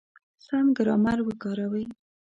سم ګرامر وکاروئ!.